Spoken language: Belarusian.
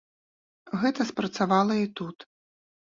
Гэта спрацавала і тут.